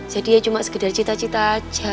jadi ya cuma sekedar cita cita aja